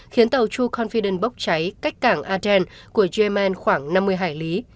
khiến tàu true confiden bốc cháy cách cảng aden của yemen khoảng năm mươi hải lý